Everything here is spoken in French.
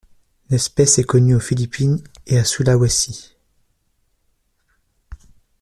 L'espèce est connue aux Philippines et à Sulawesi.